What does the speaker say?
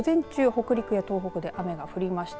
北陸や東北で雨が降りました。